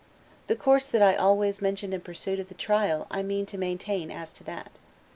"The course that I always mentioned and pursued at the trial I mean to maintain as to that.